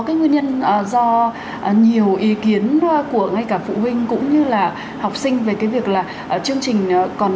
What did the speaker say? cái nguyên nhân do nhiều ý kiến của ngay cả phụ huynh cũng như là học sinh về cái việc là chương trình còn